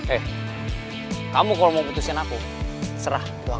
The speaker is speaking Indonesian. eh kamu kalau mau putusin aku serah doa kamu